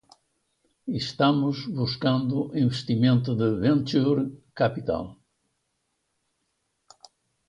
Estamos buscando investimento de venture capital.